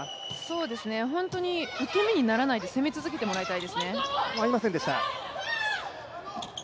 受け身にならないで攻め続けてもらいたいですね。